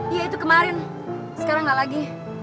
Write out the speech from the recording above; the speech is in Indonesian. iya itu kemarin sekarang nggak lagi